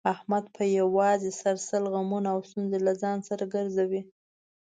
احمد په یووازې سر سل غمونه او ستونزې له ځان سره ګرځوي.